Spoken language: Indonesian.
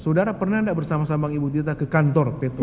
saudara pernah tidak bersama sama ibu tita ke kantor p tiga